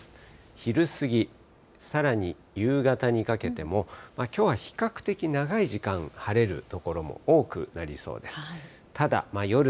昼過ぎ、さらに夕方にかけても、きょうは比較的長い時間、晴れる所も多くなりそうです。